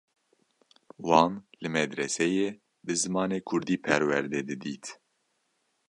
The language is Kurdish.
Wan li medreseyê bi zimanê Kurdî perwerde didît.